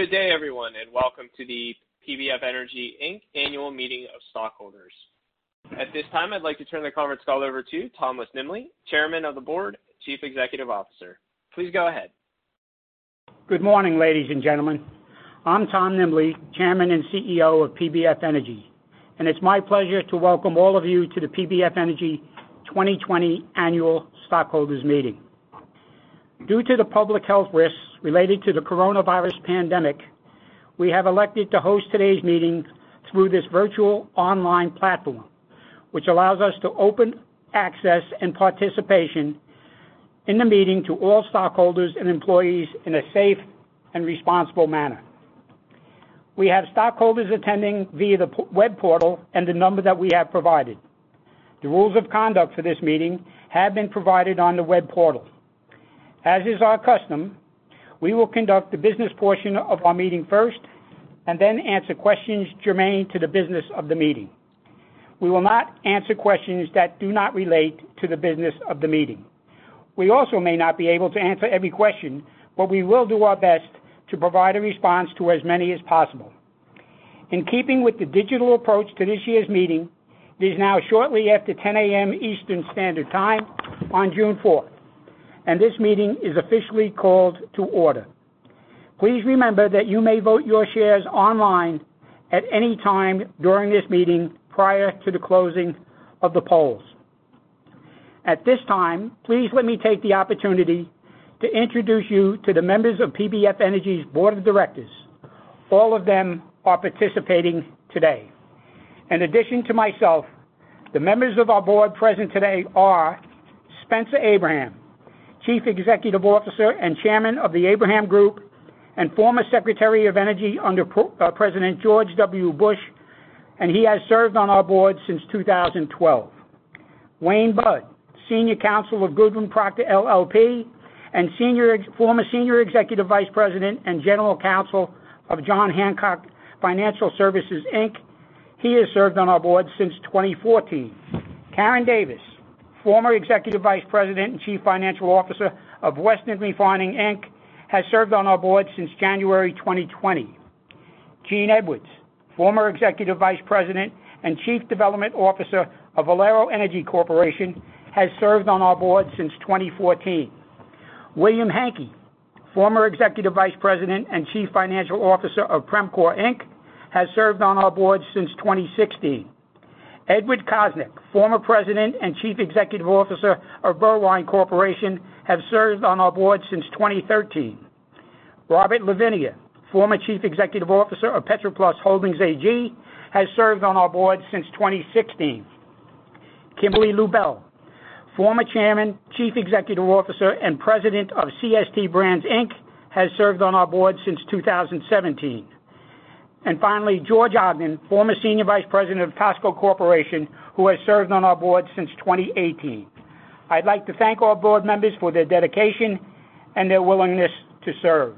Good day, everyone, and welcome to the PBF Energy Inc. Annual Meeting of Stockholders. At this time, I'd like to turn the conference call over to Thomas Nimbley, Chairman of the Board, Chief Executive Officer. Please go ahead. Good morning, ladies and gentlemen. I'm Tom Nimbley, Chairman and CEO of PBF Energy, and it's my pleasure to welcome all of you to the PBF Energy 2020 Annual Stockholders' Meeting. Due to the public health risks related to the coronavirus pandemic, we have elected to host today's meeting through this virtual online platform, which allows us open access and participation in the meeting to all stockholders and employees in a safe and responsible manner. We have stockholders attending via the web portal and the number that we have provided. The rules of conduct for this meeting have been provided on the web portal. As is our custom, we will conduct the business portion of our meeting first, and then answer questions germane to the business of the meeting. We will not answer questions that do not relate to the business of the meeting. We also may not be able to answer every question, but we will do our best to provide a response to as many as possible. In keeping with the digital approach to this year's meeting, it is now shortly after 10:00 A.M. Eastern Standard Time on June 4th, this meeting is officially called to order. Please remember that you may vote your shares online at any time during this meeting prior to the closing of the polls. At this time, please let me take the opportunity to introduce you to the members of PBF Energy's Board of Directors. All of them are participating today. In addition to myself, the members of our board present today are Spencer Abraham, Chief Executive Officer and Chairman of The Abraham Group, former Secretary of Energy under President George W. Bush. He has served on our board since 2012. Wayne Budd, Senior Counsel of Goodwin Procter LLP, and former Senior Executive Vice President and General Counsel of John Hancock Financial Services Inc. He has served on our board since 2014. Karen Davis, former Executive Vice President and Chief Financial Officer of Western Refining, Inc., has served on our board since January 2020. Gene Edwards, former Executive Vice President and Chief Development Officer of Valero Energy Corporation, has served on our board since 2014. William Hantke, former Executive Vice President and Chief Financial Officer of Premcor Inc., has served on our board since 2016. Edward Kosnik, former President and Chief Executive Officer of Berwind Corporation, has served on our board since 2013. Robert Lavinia, former Chief Executive Officer of Petroplus Holdings AG, has served on our board since 2016. Kimberly Lubel, former Chairman, Chief Executive Officer, and President of CST Brands, Inc., has served on our board since 2017. Finally, George Ogden, former senior vice president of Costco Corporation, who has served on our board since 2018. I'd like to thank all board members for their dedication and their willingness to serve.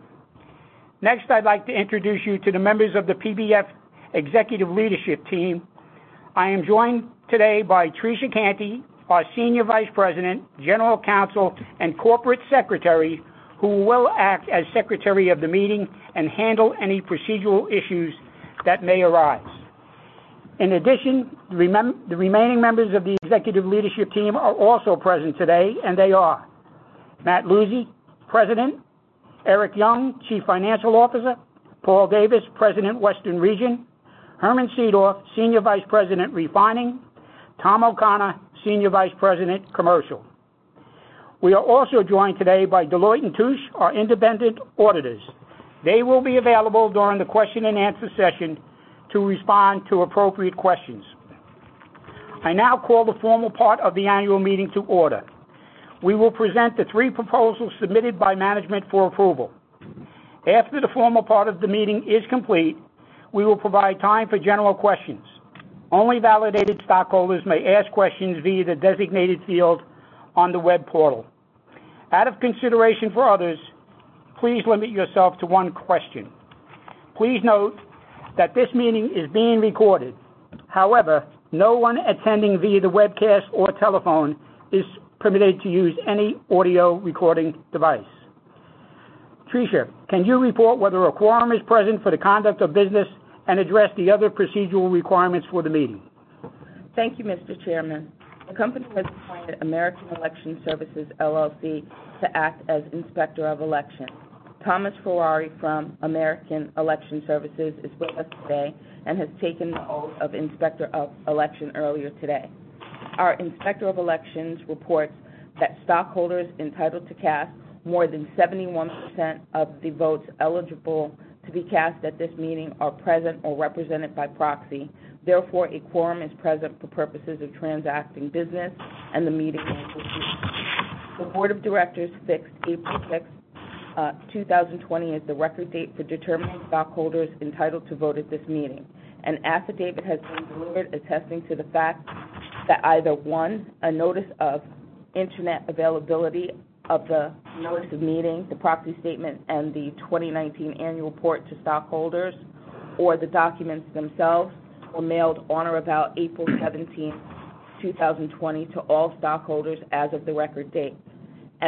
Next, I'd like to introduce you to the members of the PBF Executive Leadership Team. I am joined today by Trecia Canty, our Senior Vice President, General Counsel, and Corporate Secretary, who will act as Secretary of the meeting and handle any procedural issues that may arise. In addition, the remaining members of the executive leadership team are also present today, and they are Matt Lucey, President, Erik Young, Chief Financial Officer, Paul Davis, President, Western Region, Herman Seedorf, Senior Vice President, Refining, Tom O'Connor, Senior Vice President, Commercial. We are also joined today by Deloitte & Touche, our independent auditors. They will be available during the question and answer session to respond to appropriate questions. I now call the formal part of the annual meeting to order. We will present the three proposals submitted by management for approval. After the formal part of the meeting is complete, we will provide time for general questions. Only validated stockholders may ask questions via the designated field on the web portal. Out of consideration for others, please limit yourself to one question. Please note that this meeting is being recorded. However, no one attending via the webcast or telephone is permitted to use any audio recording device. Trecia, can you report whether a quorum is present for the conduct of business and address the other procedural requirements for the meeting? Thank you, Mr. Chairman. The company has appointed American Election Services, LLC to act as Inspector of Election. Thomas Ferrari from American Election Services is with us today and has taken the oath of Inspector of Election earlier today. Our Inspector of Elections reports that stockholders entitled to cast more than 71% of the votes eligible to be cast at this meeting are present or represented by proxy. Therefore, a quorum is present for purposes of transacting business and the meeting may proceed. The Board of Directors fixed April 6th, 2020 as the record date for determining stockholders entitled to vote at this meeting. An affidavit has been delivered attesting to the fact that either, one, a notice of internet availability of the notice of meeting, the proxy statement, and the 2019 annual report to stockholders, or the documents themselves were mailed on or about April 17th, 2020 to all stockholders as of the record date.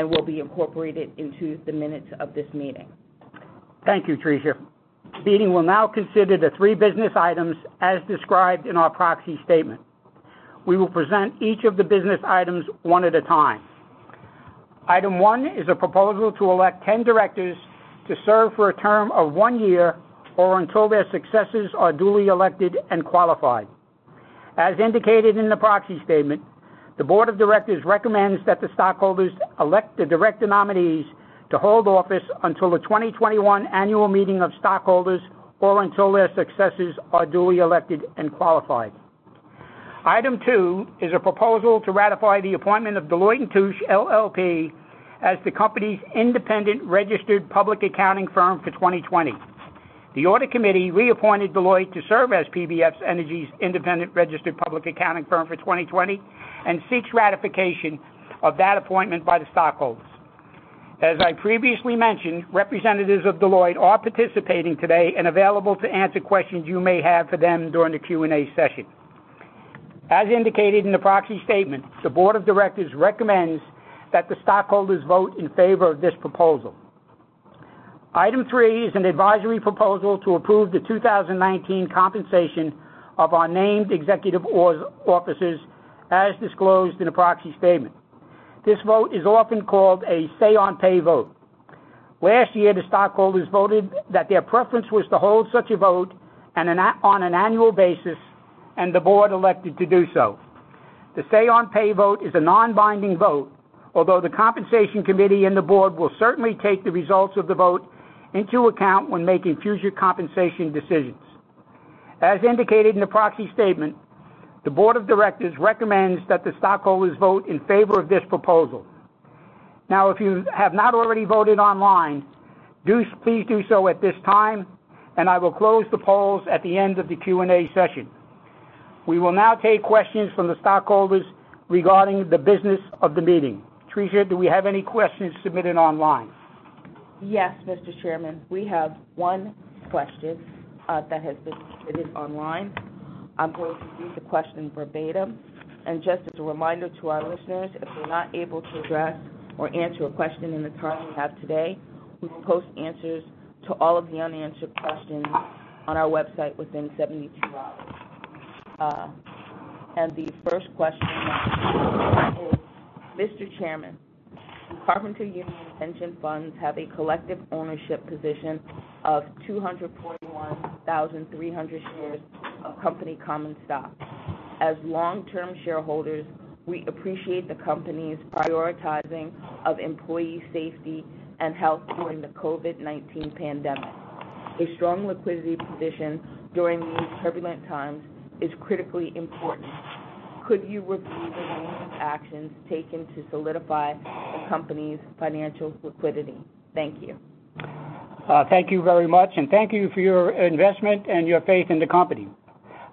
Will be incorporated into the minutes of this meeting. Thank you, Trecia. The meeting will now consider the three business items as described in our proxy statement. We will present each of the business items one at a time. Item one is a proposal to elect 10 directors to serve for a term of one year or until their successors are duly elected and qualified. As indicated in the proxy statement, the board of directors recommends that the stockholders elect the director nominees to hold office until the 2021 annual meeting of stockholders or until their successors are duly elected and qualified. Item two is a proposal to ratify the appointment of Deloitte & Touche LLP as the company's independent registered public accounting firm for 2020. The audit committee reappointed Deloitte to serve as PBF Energy's independent registered public accounting firm for 2020 and seeks ratification of that appointment by the stockholders. As I previously mentioned, representatives of Deloitte are participating today and available to answer questions you may have for them during the Q&A session. As indicated in the proxy statement, the Board of Directors recommends that the stockholders vote in favor of this proposal. Item three is an advisory proposal to approve the 2019 compensation of our named executive officers as disclosed in the proxy statement. This vote is often called a say on pay vote. Last year, the stockholders voted that their preference was to hold such a vote on an annual basis, and the Board elected to do so. The say on pay vote is a non-binding vote, although the Compensation Committee and the Board will certainly take the results of the vote into account when making future compensation decisions. As indicated in the proxy statement, the board of directors recommends that the stockholders vote in favor of this proposal. If you have not already voted online, please do so at this time, and I will close the polls at the end of the Q&A session. We will now take questions from the stockholders regarding the business of the meeting. Trecia, do we have any questions submitted online? Yes, Mr. Chairman. We have one question that has been submitted online. I'm going to read the question verbatim. Just as a reminder to our listeners, if we're not able to address or answer a question in the time we have today, we will post answers to all of the unanswered questions on our website within 72 hours. The first question is, "Mr. Chairman, the Carpenters Union pension funds have a collective ownership position of 241,300 shares of company common stock. As long-term shareholders, we appreciate the company's prioritizing of employee safety and health during the COVID-19 pandemic. A strong liquidity position during these turbulent times is critically important. Could you review the recent actions taken to solidify the company's financial liquidity? Thank you. Thank you very much, and thank you for your investment and your faith in the company.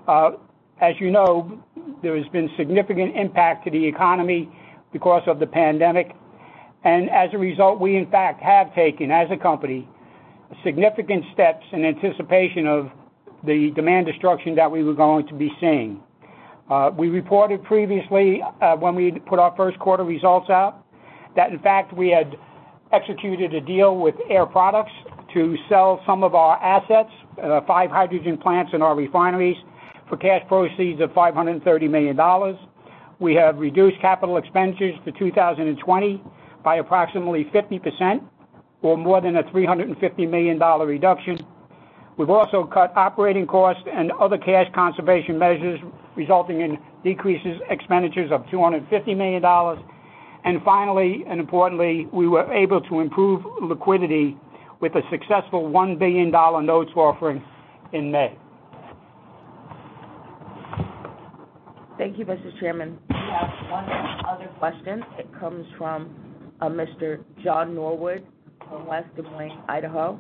As you know, there has been significant impact to the economy because of the pandemic. As a result, we in fact have taken, as a company, significant steps in anticipation of the demand destruction that we were going to be seeing. We reported previously, when we put our Q1 results out, that in fact, we had executed a deal with Air Products to sell some of our assets, five hydrogen plants in our refineries, for cash proceeds of $530 million. We have reduced capital expenditures for 2020 by approximately 50%, or more than a $350 million reduction. We've also cut operating costs and other cash conservation measures, resulting in decreases expenditures of $250 million. Finally, and importantly, we were able to improve liquidity with a successful $1 billion notes offering in May. Thank you, Mr. Chairman. We have one other question that comes from a Mr. John Norwood from West Des Moines, Iowa.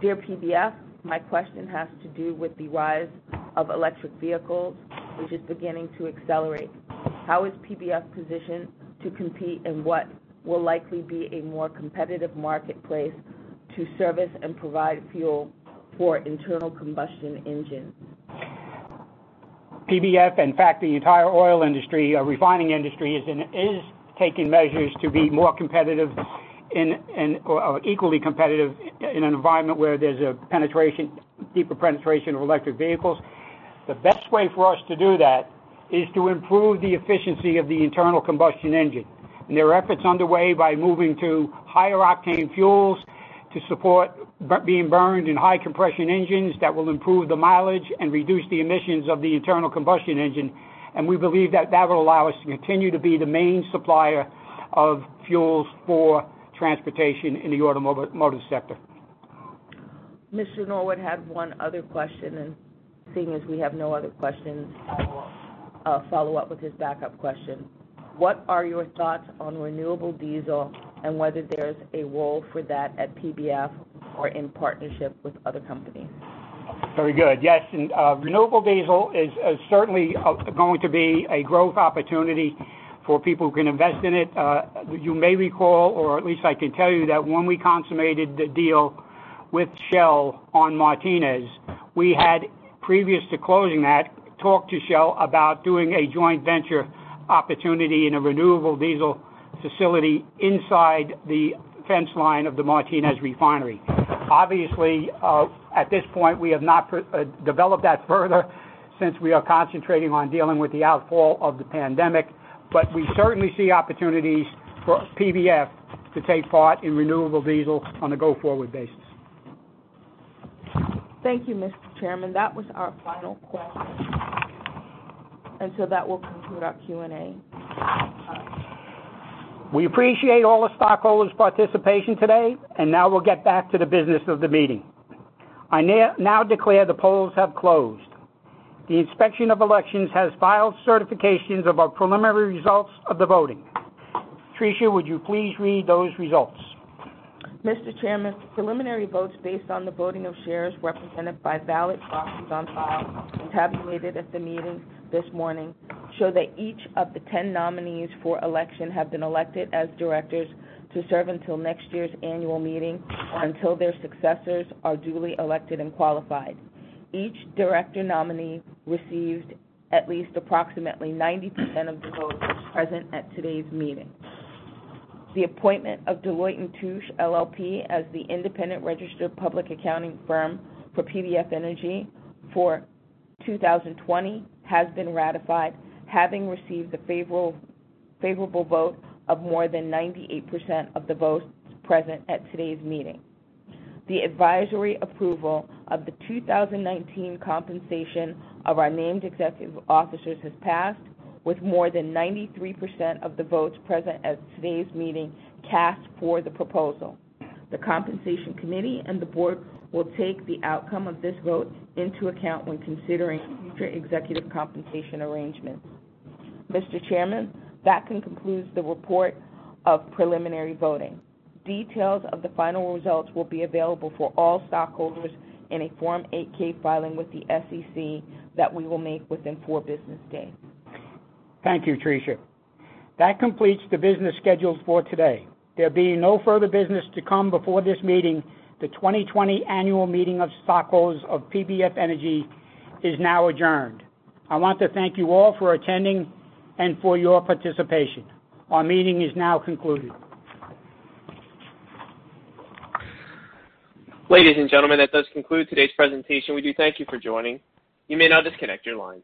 "Dear PBF, my question has to do with the rise of electric vehicles, which is beginning to accelerate. How is PBF positioned to compete in what will likely be a more competitive marketplace to service and provide fuel for internal combustion engines? PBF, in fact, the entire oil industry, refining industry, is taking measures to be more competitive or equally competitive in an environment where there's a deeper penetration of electric vehicles. The best way for us to do that is to improve the efficiency of the internal combustion engine. There are efforts underway by moving to higher octane fuels to support being burned in high compression engines that will improve the mileage and reduce the emissions of the internal combustion engine. We believe that that will allow us to continue to be the main supplier of fuels for transportation in the automotive sector. Mr. Norwood had one other question. Seeing as we have no other questions. Okay I will follow up with his backup question. "What are your thoughts on renewable diesel and whether there's a role for that at PBF or in partnership with other companies? Very good. Yes. Renewable diesel is certainly going to be a growth opportunity for people who can invest in it. You may recall, or at least I can tell you that when we consummated the deal with Shell on Martinez, we had, previous to closing that, talked to Shell about doing a joint venture opportunity in a renewable diesel facility inside the fence line of the Martinez refinery. At this point, we have not developed that further since we are concentrating on dealing with the outfall of the pandemic, we certainly see opportunities for PBF to take part in renewable diesel on a go-forward basis. Thank you, Mr. Chairman. That was our final question. That will conclude our Q&A. We appreciate all the stockholders' participation today. Now we'll get back to the business of the meeting. I now declare the polls have closed. The inspection of elections has filed certifications of our preliminary results of the voting. Trecia, would you please read those results? Mr. Chairman, preliminary votes based on the voting of shares represented by ballot proxies on file and tabulated at the meeting this morning show that each of the 10 nominees for election have been elected as directors to serve until next year's annual meeting or until their successors are duly elected and qualified. Each director nominee received at least approximately 90% of the votes present at today's meeting. The appointment of Deloitte & Touche LLP as the independent registered public accounting firm for PBF Energy for 2020 has been ratified, having received a favorable vote of more than 98% of the votes present at today's meeting. The advisory approval of the 2019 compensation of our named executive officers has passed with more than 93% of the votes present at today's meeting cast for the proposal. The Compensation Committee and the board will take the outcome of this vote into account when considering future executive compensation arrangements. Mr. Chairman, that concludes the report of preliminary voting. Details of the final results will be available for all stockholders in a Form 8-K filing with the SEC that we will make within four business days. Thank you, Trecia. That completes the business scheduled for today. There being no further business to come before this meeting, the 2020 Annual Meeting of Stockholders of PBF Energy is now adjourned. I want to thank you all for attending and for your participation. Our meeting is now concluded. Ladies and gentlemen, that does conclude today's presentation. We do thank you for joining. You may now disconnect your lines.